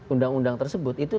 undang undang tersebut itu